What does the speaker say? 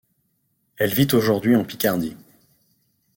Elle vit aujourd'hui en Picardie.